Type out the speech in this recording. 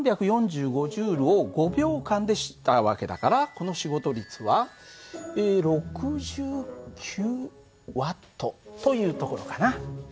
３４５Ｊを５秒間でした訳だからこの仕事率は６９Ｗというところかな。